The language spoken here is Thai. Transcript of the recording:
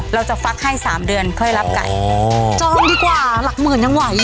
เราจะฟักให้๓เดือนก็ให้รับไก่